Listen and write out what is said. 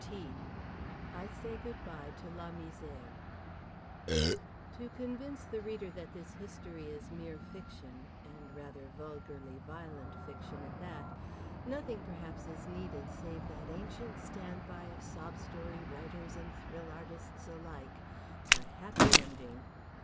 XIII. I SAY GOOD BYE TO LA MISÈRE To convince the reader that this history is mere fiction (and rather vulgarly violent fiction at that) nothing perhaps is needed save that ancient standby of sob story writers and thrill artists alike—the Happy Ending.